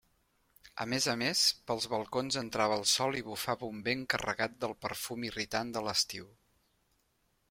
A més a més, pels balcons entrava el sol i bufava un vent carregat del perfum irritant de l'estiu.